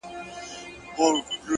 مهرباني د اړیکو ښکلا زیاتوي